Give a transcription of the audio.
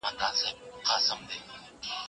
چي به کله ښکاري باز پر را ښکاره سو